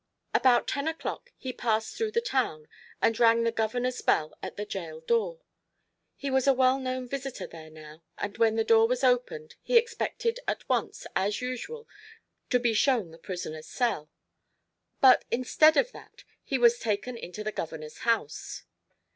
About ten o'clock he passed through the town, and rang the governor's bell at the gaol door. He was a well known visitor there now, and when the door was opened he expected at once, as usual, to be shown the prisoner's cell; but instead of that he was taken into the governor's house.